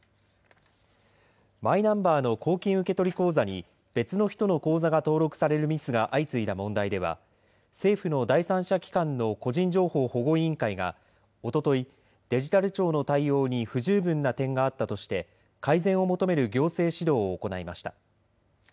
マイナンバーの公金受取口座に別の人の口座が登録されるミスが相次いだ問題では、政府の第三者機関の個人情報保護委員会が、おととい、デジタル庁の対応に不十分な点があったとして、改善を求める行政指導を行いました。